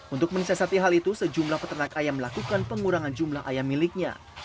untuk mensesati hal itu sejumlah peternak ayam melakukan pengurangan jumlah ayam miliknya